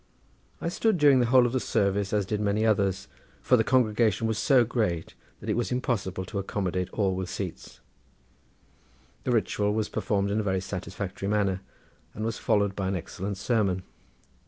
I stood during the whole of the service as did many others, for the congregation was so great that it was impossible to accommodate all with seats. The ritual was performed in a very satisfactory manner and was followed by an excellent sermon.